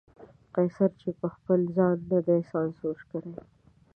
قیصر چې خپل ځان نه دی سانسور کړی.